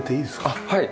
あっはい。